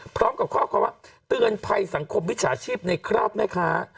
พร้อมกับข้อความว่าเตือนภัยสังคมวิชาชีพในครอบแม่ค้า